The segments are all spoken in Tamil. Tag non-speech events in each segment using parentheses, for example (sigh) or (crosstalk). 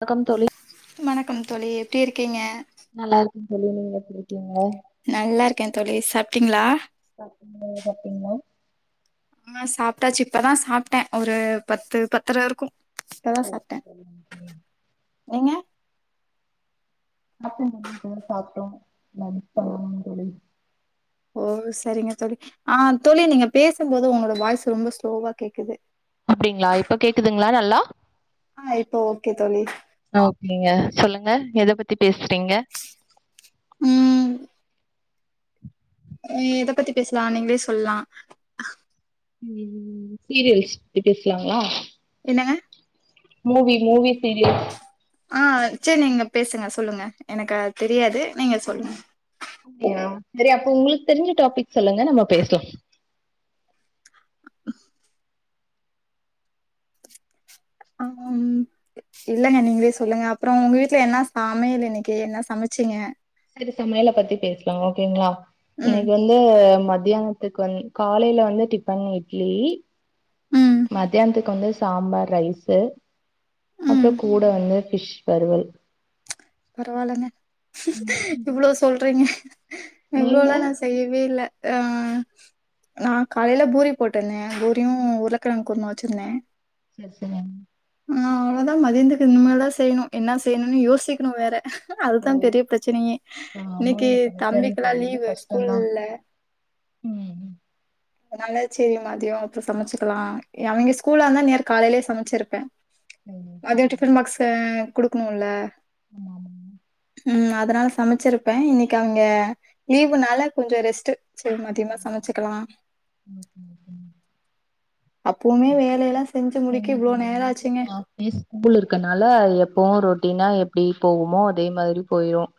வணக்கம் தோழி வணக்கம் தோழி எப்பிடி இருக்கீங்க நல்லா இருக்கே தோழி நீங்க எப்பிடி ங்கள நல்லா இருக்கே தோழி சாப்ட்டீங்களா பாத்தீங்களா ஆ சாப்பிட்டாச்சி இப்பதா சாப்பிட்டே ஒரு பத்து பத்தரை இருக்கு இப்பதா சாப்பிட்டே சாப்டோ தோழி ஓகே. நீங்க சாப்புடே தோழி இப்பதா சாப்பிட்டோ லன்ச் ஓ பண்ணணு தோழி ஓ சேரிங்க தோழி ஆ தோழி நீங்க பேசுபோது உங்களோட வாய்ஸ் ரொம்ப ஸ்லோவா கேக்குது அப்புடிங்கிளா இப்ப கேக்குதுங்களா நல்லா ஆ இப்போ ஓகே தோழி ஓகேங்க சொல்லுங்க எத பத் பத்தி பேசிறீங்க ம் எத பத்தி பேசலா நீங்களே சொல்லா ம் சீரியல்ஸ் பத்தி பேசலாங்களா என்னங்க மூவி மூவி சீரியஸ் ஆ சே நீங்க பேசுங்க சொல்லுங்க எனக்கு அது தெரியாது நீங்க சொல்லுங் அப்புடியா சரி அப்ப உங்களுக்கு தெரிஞ்ச டாபிக் சொல்லுங்க நம்ம பேசலா ஆ இல்லங்க நீங்களே சொல்லுங்க அப்புறோ உங்க வீட்டுல என்ன சமையல் இன்னைக்கு என்ன சமச்சீங்க சேரி சமையல பத்தி பேசலா ஓகேங்களா ம் இன்னைக்கு வந்து மத்தியானத் துக்கு வந்து காலையில வந்து டிஃபன் இட்லி ம் மத்தியானத்துக்கு வந்து சாம்பார் ரைஸு ம் அப்புறோ கூட வந்து பிஷ் வருவல் பரவால்லங்க இவ்ளோல்லா நா செய்யவே இல்ல ஆ நா காலையில பூரி போட்டிருந்தே பூரியு உருளக்கிழங்கு குருமா வச்சிருந்தே சேரி சரி ஆ அவ்ளோதா மதியனத்துக்கு இனிமேல்தா செய்யணு என்ன செய்யணுன்னு யோசிக்கணு வேற ஓ அதுதா பெரிய பிரச்சனையே இன்னைக்கு ஆமாங்க சமைக்கிறது தம்பிக்குல்லா பெரிய லீவு ஸ்கூல் கஷ்டந்தா இல்ல ம் அனால சேரி மதியம் அப்புறம் சமைச்சுக்கலாம் அவிங்க ஸ்கூல்லா இருந்தா இன்நேரம் காலையிலே சமைச்சிருப்பேன் அது ஆமா டிஃபன் பாக்ஸ குடுக்கணும் இல்ல ஆமா ம் அதனால சமைச்சிருப்பே இன்னைக்கு அவிங்க லீவுனால கொஞ்சோ ரெஸ்ட் சேரி மதியமா சமைச்சுக்கலா ம் ம் ம் அப்பவுமே வேலையெல்லாம் செஞ்சு முடிக்க இவ்ளோ எங்களுக்குங்க நேரம் ஆச்சுங்க. இன்னைக்கும் ஆஃப் டே ஸ்கூல் இருக்கனால எப்போவும் ரொட் அப்டின்னா எப்டி போகுமோ அதே மாதிரி போயிரும்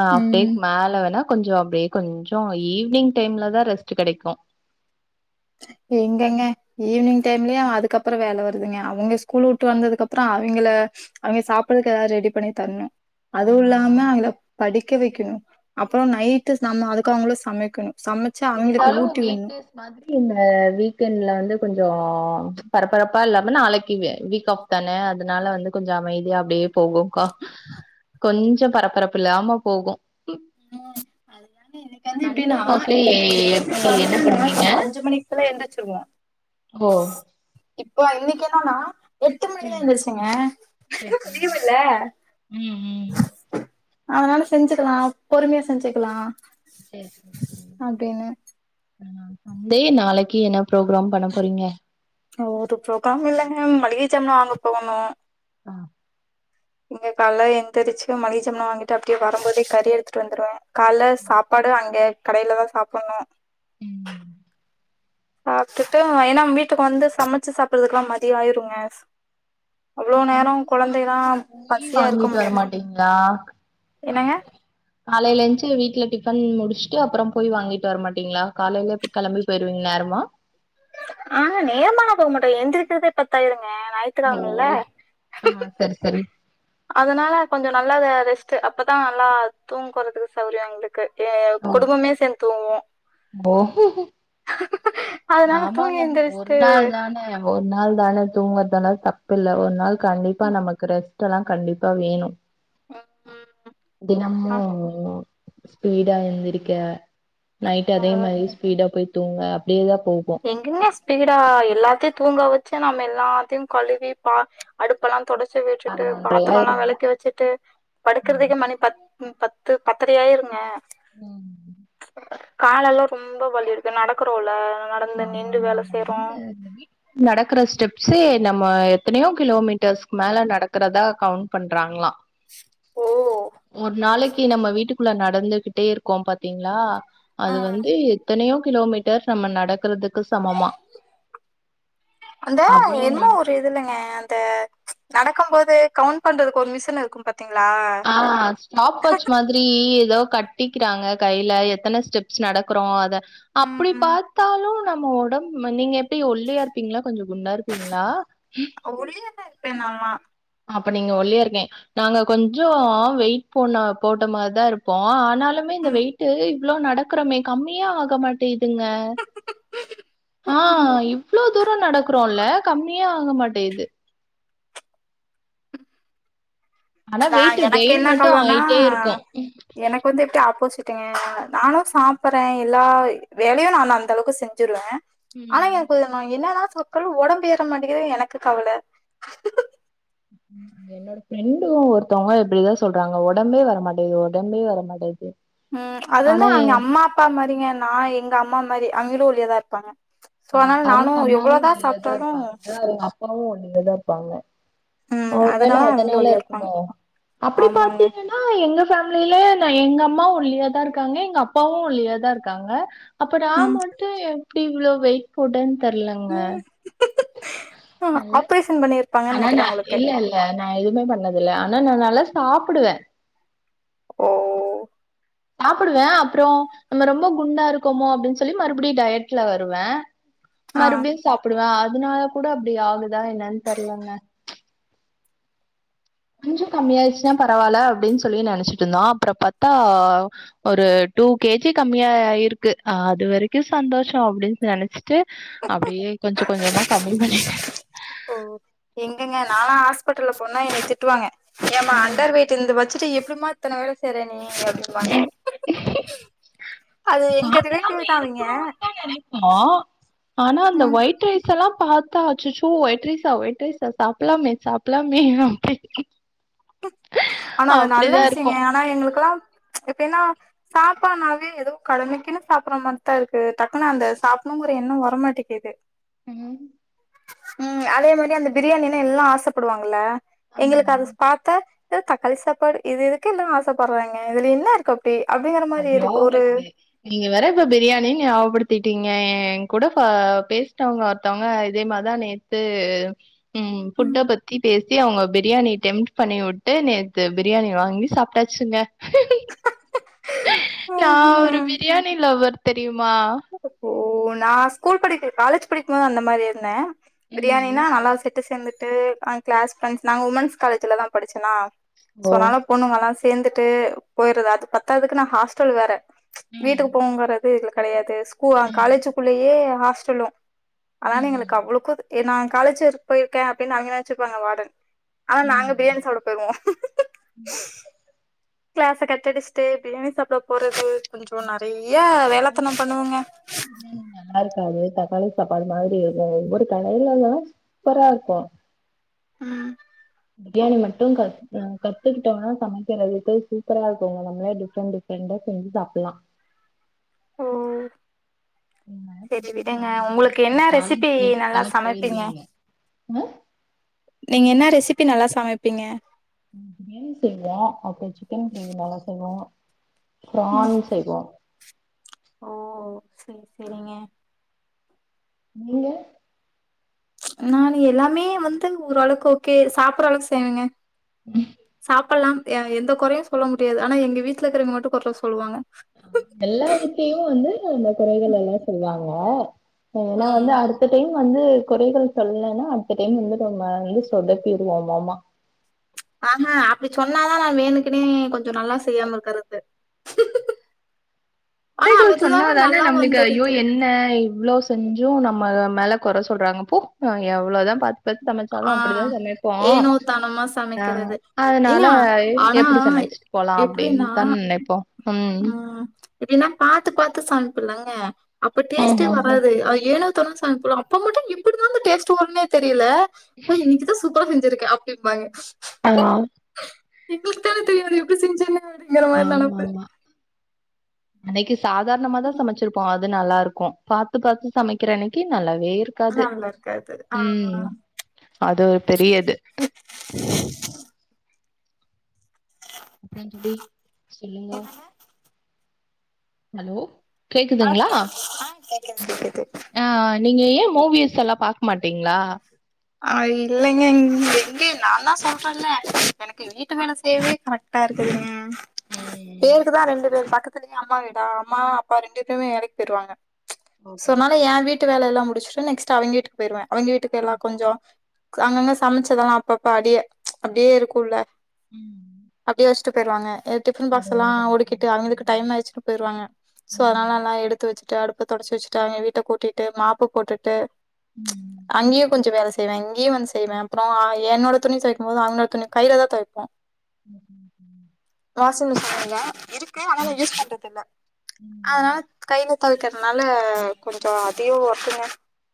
ஆ ஆஃப் டே ம் மேல வேணா கொஞ்சம் அப்டே கொஞ்சம் ஈவி்னிங் டைம்ல தா ரெஸ்ட் கெடைக்கும் எங்கங்க ஈவினிங் டைம்லயும் அதுக்கப்புறம் வேல வருதுங்க அவுங்க ஸ்கூல் உட்டு வந்ததுக்குப்புறம் அவிங்கள அவிங்க சாப்றதுக்கு எதா ரெடி பண்ணி தரணும் அதுவும் இல்லாம ஆ அவிங்கள படி க்க வைக்கணும் அப்புறம் நைட்டு நம்ம அதுக்கங்களும் சமைக்கணும் சமைச்சு அவங்களுக்கு இருந்தாலும் ஊட்டி வீக் விடணும். டேஸ் மாதிரி இல்ல ஆ வீக்கெண்ட்ல வந்து கொஞ்சோம் பரபரப்பா இல்லாம நாளக்கி வீக் ஆஃப் தானே அதனால வந்து கொஞ்சம் அமைதியா அப்டியே போகும் கொ கொஞ்சம் பரபரப்பு இல்லாம போகும் ம் அது ஏங்க எனக்கு எல்லா சண்டே எப்டின்னா மோஸ்ட்லி இன்னக்கி எப்பமே எப்டி கால்ல என்ன அந்த பண்ணுவீங்க (inaudible) அஞ்சு மணிக்குல எந்திச்சிருவோம் ஓ இப்ப இன்னக்கி என்னன்னா எட்டு மணிக்கு தா எந்திருச்சேங்க செரி செரிங்க ம் ம் அதனால செஞ்சிக்கலாம் பொறுமையா செஞ்சிக்கலாம் செரி செரி செரிங்க நாளைக்கி சண்டே நாளக்கி என்ன ப்ரோகிராம் பண்ண போறீங்க ஒரு ப்ரோகிராம் இல்லங்க மளிக ஜாமா வாங்க போகணும் ஆ நீங்க கால எந்திரிச்சு மளிக ஜாமா வாங்கிட்டு அப்டே வரம்போதே கறி எடுத்துட்டு வந்துருவே கால்ல சாப்பாடு அங்கே கடையில தா சாப்பணும் ம் சாப்ட்டுட்டு ஏன்னா வீட்டுக்கு வந்து சமைச்சு சாப்றதுக்கெல்லாம் மதிய ஆயிருங்க அவ்ளோ நேரோ சமைச்ச கொழந்தைல்லா சாப்ட்டு போயி பசியா இருக்க வாங்கிட்டு முடியாது வரமாட்டீங்களா என்னங்க காலைல எஞ்சி வீட்ல டிஃபன் மு முடுச்சுட்டு அப்புறோம் போய் வாங்கிட்டு வரமாட்டீங்களா காலைல கெளம்பி போயிருவீங்க நேரமா ஆ நேரமாலா போக மாட்டோ எந்திரிக்குறதே பத்தாயிருங்க ஓ ஞாயித்துக்கெழமல்ல ஆ சேரி சேரி அதனால கொஞ்சோ நல்லா அத ரெஸ்ட்டு அப்பதா நல்லா தூங்குறதுக்கு சௌரியம் எங்களுக் க்கு எ ஓ குடும்பமே சேந்து தூங்குவோ ஓ அதனால தூங்கி ஆமாங்க ஒரு எந்திரிச்சுட்டு நாள் தான ஒரு நாள் தான தூங்குறதல்லா தப்ப இல்ல ஒரு நாள் கண்டிப்பா நமக்கு ரெஸ் ட்டெல்லா கண்டிப்பா வேணு தினமு ஸ்பீடா எந்திரிக்க நைட் அதே மாரி ஸ்பீடா போய் தூங்க அப்டியேதாப் எங்கங்க ஸ்பீடா எல்லாத்தையு தூங்க வெச்சு நம்ம எல்லாத்தையு கழுவி பா அடுப்பெல்லாம் தொடச் ச்சு விட்டுட்டு பதினொன்றை பாத்துரோ எல்லா ஆயிரும்ல வெளக்கி வெச்சுட்டு ஆ படுக்குறதுக்கே மணி பத் ம் பத்து பத்தரை ஆயிருங்க ம் கால எல்லா ரொம்ப வலி இருக்கு நடக்குறோல்ல ஆமா ஆமா நடந்து இந்த வீட்ல நடக்குற ஸ்டெப்ஸ்சே நம்ம எத்தனையோ கிலோமீட்டர்ஸ் மேல நடக்குறதா கவுண்ட் பண்றாங்களா ஓ ஒரு நாளைக் த்தி நம்ம வீட்டுக்குள்ள நடந்துகிட்டே இருக்கோம் பாத்தீங்களா ஆ அது வந்து எத்தனையோ கிலோமீட்டர் நம்ம நடக்குறதுக் அந்த அவ்ளோ என்மோ நட ஒரு இதுலங்க அந்த நடக்கும் போது கவுண்ட் பண்றதுக்கு ஒரு மிஷின் இருக்கும் பாத் ஆ ஸ்டாப் வாச் மாதிரி எதோ கட் கட்டிக்கிறாங்க கையில எத்தன ஸ்டெப்ஸ் நடக்குறோ அத ம் அப்டி ம் பாத்தாலு நம்ம ஒடம் நீங்கப் ட்டி ஒல்லியா இருப்பீங்களா கொஞ்சோ குண்டா இருப்பீங்களா ஆ அப்ப நீங்க ஒல்லியா இருக் நாங்க கொஞ்சோ வெயிட் போன போட்ட மாரிதா இருப்போ ஆனால் ஃபில்லாமே இந்த ம் வெயிட் இவ்ளோ நடக்கிறமே கம்மியாக ஆக மாட்டேங் ங்க ஆ ம் இவ்ளோ தூரோ நடக்கறோல்ல கம்மி மியே ஆக மாட்டேது ஆனா நா வெயிட் எனக்கு கெயின் என்ன மட்டும் கவளனா ஆயிட்டே இருக்கும். எனக்கு வந்து எப்பிடி ஆப்போசிட் ட்டே நானு சாப்பறே எல்லா வே வேலையு நா அந்த அளவுக்கு செஞ்சிருவே ஆனா ம். எனக்கு என்னாத மக்களும் உடம்பு ஏற மாட்டேங்கதுனு எனக்கு கவல என்னோட ஃப்ரெண்டு ஒருத்தவங்க இப்பிடிதா சொல்றாங்க உடம்பே வரமாட்டேங்குது உடம்பே வரமாட்டேங்குது ம் அதுந்தா ஆனா எ அவங்க அம்மா அப்பா மாரிங்க நா எங்க அம்மா மாரி அவிங்களு ஒல்லியாதா இருப்பாங்க சோ ஆ அதனால நானு அவங்க அம்மாவு எவ்ளோதா ஒல்லியாதா சாப்ட்டாலு இருப்பாங்க அவங்க அப்பாவு ஒல்லி யாதா இப்பாங்க ம் ஒருவேள அவங்களு அதனால ஒல்லியா இருப்பாங்க இருக்குமோ அப்பிடி ஆமாங்க பாத்தீங்கன்னா எங்க ஃபேம்லில நா எங்க அம்மாவு ஒல்லியா தா இருக்காங்க எங்க அப்பாவு ஒல்லியா தா இருக்காங்க அப்ப நா ம் மட்டு எ டி இவ்ளோ வெ போட்டே தெர்லங்க ம் ஆ நல்ல ஆப்ரேஷன் பண்ணிருப்பாங்கன்னு ஆனா நெனைக்கிறே நா உங்களுக்கு இல்ல இல்ல நா எதுவுமே பண்ணதல ஆனா ந நல்ல சாப்புடுவே ஓ சாப்பிடுவே அப்புறோ நம்ம ரொம்ப குண்டா இருக்கோமோ அப்பிடின்னு சொல்லி மறுபிடியு டயட்ல வருவே ஆ மறுபிடியு சாப்பிடுவே ஆ அதனால கூட அப்பிடி ஆகுதா என்னன்னு தெரலங்க கொஞ்சோ கம்மியாயிடுச்சுன்னா பரவால்ல அப்பிடின்னு சொல்லி நெனைச்சிட்டு இருந்தோ அப்புறோ பாத்தா ஒரு டூ கேஜி கம்மியாயிருக்கு அது வரைக்கு சந்தோஷ அப்பிடின்னு நெனச்சி ட்டு அப்பிடியே கொஞ்சோ கொஞ்சோமா கம்மி பண்ணட் ப்ட்டல்ல போனா என்ன திட்டு வாங்க ஏமா அண்டர் வெயிட் இந்த வத் சிட்டு எப்டி மா இத்தன வேல செய்றே ங்க அப்டிம்பாங்க அது எங்க சாப்டாம ரிலேட்டிவ் தான் அவிங்க இருக்கணுன்னு தா நெனைப்போ ஆனா அந்த ம் ஒயிட் ரைஸ்ல்லாம் பாத்த அச்சச்சோ ஒயிட் ரைஸா ஒயிட் ரைஸா சாப்லாமே சாப்லாமே அப்படி ஆனா அது நல்ல விஷியங்க ஆனா எங்களுக்கெல்லாம் எப்பினா சாப்பாட்னாவே எதோ கடமைக்குன்னு சாப்பற மாரிதா இருக்கு டக்குன்னு அந்த சாப்பணுங்கிற எண்ணம் வரமாட்டிகிது ம் ம் அதே மாரி அந்த பிரியாணின்னா எல்லாம் ஆசைப்படுவாங்க இல்ல ஆமா எங்களுக்கு அத பாத்தா அ தக்காளி சாப்பாடு இது எதுக்கு எல்லாம் ஆசைப்படறாங்க இதுல என்ன இருக்கு அப்டி அப்டிங்கிற மாரி ஐயோ இருக்கு ஒரு இது நீங்க வேற இப்ப பிரியாணினு ஞாபபடுத்தி டிங்க என் கூட பா பேசிட்டவங்க ஒருத்தவங்க இதே மாரிதான் நேத்து ம் ஃபுட்ட பத்தி பேசி அவுங்க பிரியாணி டெம்ப்ட் பண்ணி உட்டு நேத்து பிரியாணி வாங்கி சாப்ட்டாச்சுங்க நான் ஒரு ம்ஹும் பிரியாணி பிளின் லவர் தெரியுமா எப்போ நான் ஸ்கூல் படிக்க காலேஜ் படிக்கும் மோது அந்த மாரி இருந்தன் ம் பிரியானினா நல்லா சேத் ட்டு சேந்துட்டு ஆ கிளாஸ் பிரண்ட்ஸ் நாங்க உமென்ஸ் காலேஜ்ல தான் படிச்சனா சோ ஓ அனால பொண்ணுங்கல்லாம் சேந்துட்டு போயறது அது பத்தாதுக்கு நான் ஹாஸ்டல் வேற ம் வீட்டுக்கு போங்கற ஃபிரி ஹிட்ல கெடையாது கு ஆ ம் காலேஜிக்குள்ளேயே ஹாஸ்டலும் அதான ம் எங்களுக்கு ம் அவ்ளோ கூது ஏ நான் காலேஜிக்கு போயிருக்கேன் அப்டின்னு அவங்க நெனச்சிப்பாங்க வாடன் ஆனா நாங்க ம் பிரியாணி சாப்பட போயிருவோம் கிளாஸ கட்டடிச்சுட்டு பிரியாணி சாப்பட போறது கொஞ்சோம் நறை யா வேலத்தனம் பண்ணுவங்க காது தக்காளி சாப்பாடு மாதிரி இருக்கும் ஒவ்வொரு கடையிலல்லா சூப்பரா இருக்கும் ம் பிரியாணி மட்டு க கத்துக்கிட்டோம்னா சமைக்கிறதுறதுக்கு சூப்பரா இருக்கும்ங்க நம்மளே டிஃப்ரெண்ட் டிஃப்ரெண்டா செஞ்சு சாப்டலா ஓ ங்க செரி விடுங்க உங்களுக்கு மறுபடியு என்ன அவங்க கால ரெசிபி சே நல்லா கால சமைப்பீங்க போயிருவீங்க ஆ நீங்க என்ன ரெசிபி நல்லா சமைப்பீங்க பிரியாணி செய்வோ அப்புறம் சிக்கன் கிரேவி நல்லா செய்வோ ம் ப்ரான் செய்வோ ஓ செரி செரிங்க நீங்க நானு எல்லாமே வந்து ஓரளவுக்கு ஓகே சாப்பிடுற அளவுக்கு செய்வங்க சாப்பிடலா எ எந்த குறையு சொல்ல முடியாது ஆனா எங்க வீட்டுல இருக்கிறவங்க மட்டு குர சொல்லுவாங்க எல்லா ஆ ஏன்னா வந்து ம் அடுத்த டைம் வந்து குறைகள் சொல்லலைன்னா அடுத்த டைம் வந்து ரம்ம வந்து சொதப்பிடுவோ மாமா ஆஹ்ஹா அப்டி சொன்னாதா நா வேணுக்குனே கொஞ்சோ நல்லா செய்யாம இருக்கிறது குறைகள் சொன்னாதானே நம்மளுக்கு ஐயோ என்ன இவ்வளவு செஞ்சு நம்ம மேல குற சொல்றாங்க பூ நாங்க எவ்வளோதா பாத் எது சமைச்சாலு ஆ அப்டிதா சமைப்போ ஏனோ தானமா ஆ சமைக்கிறது அதனால ஏங்க ஆனா எப்டி சமைச்சிட்டு போலா எப்டின்னா அப்படின்னுதானே நினைப்போ ம் எப்டின்னா பாத்து பாத்து சமைப்புலங்க அப்ப டேஸ்டே ம்ஹும் வராது ஏனோ (unintelligible) சமைப்பம்ல அப்ப மட்டு எப்டிதா அந்த டேஸ்ட் வருன்னே தெரில தா இன்னைக்கு சூப்பர் செஞ்சுருக்கே அப் யேபாயே ஆ எங்களுக்குதானே தெரியு அது எப்டி செஞ்சானு அடிங்கிற மாரி நெனப்பு அடைக்கு சாதாரணமா தா சமைச்சிருப்போ அது அது நல்லா இருக்கு பார்த்து பார்த்து சமைக்கிற அன்னைக்கு நல்லா வே இருக்காது நல்லா இருக்காது ஆ ம் அது ஒரு பெரியது அப்டியாங் தோழி சொல்லுங்க ஹலோ ஆ கேக்குதுங்களா கேக் ஆ கேக்குதுங்க ஆ கேக்குது ஆ நீங்க ஏ மூவிஸ் எல்லா பாக்க மாட்டடிங்களா அ இல்லைங்க எங்க நா தா சொல்றே இல்ல எனக்கு வீட்டு மேல செய்யவே கரெக்ட்டா இருக்குத்துங்க ம் பேருக்கு தா ரெண்டு பேர் பா கிக்கத்துலயே அம்மா வீடா அம்மா அப்பா ரெண்டு பேருமே வேலைக்கு போயிருவாங்க சோ ஓகே ஆனால சொன்னால எ வீட்டு வேல எல்லா மு முசிச்ட்டு நெக்டு அவங்கீட்டு போயிடுவே அவிங்க வீட்டு எல்லா ம் கொஞ்சோ அங்கங்க சமைச்சதெல்லா அப்பஅப்ப அடியே அப்பிடியே இருக்குல்ல ம் அப்பிடியே வச்ட்டு பெய்றுவாங்க எ டிஃப பாக்ஸ் எல்லா அதெல்லா கரெக்ட் ஓடிகிட்டு பண்ணி அவங்களுக்கு சொல்லுங்க டைம் ஆயிச்சு போயிருவாங்க சோ அதனால ம் நா எடுத்து வச்சிட்டு அடுப் இப்ப தொடச்சி வச்சிட்டு அவிங்க வீட்ட கூட்டிட்டு மாப்பு போட்டுட் ம் அங்கே கொஞ்ச வேல செய்வே இங்கேயும்வந்து செய்வே அப்புறோ என்னட துணி தொய்க்கு போது அவங்களோட துணி கையில தா தொவைக்கபோ ம் ம் ம் வாஷிங் மிஷின் இல்ல இரு க்கு ஆனாலு யூஸ் பண்றது இல்ல ம். அதனால கைல தொவைக்கிறனால கொஞ்சோ அதியு ஒக்ர்குங்க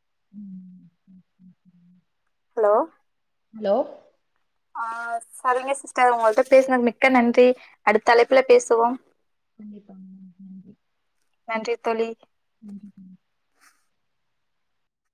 ம் ஹலோ ஹலோ ஆ சரிங்க சிஸ்டர் உங்கள்ட்ட பேசுனதுக்கு மிக்க நன்றி அடுத்த அழைப்புல பேசுவோ கண்டிப்பா நன்றி நன்றி நன்றி தோழி ம்